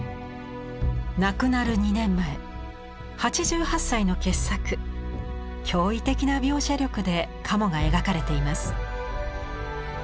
亡くなる２年前８８歳の傑作驚異的な描写力で鴨が描かれています。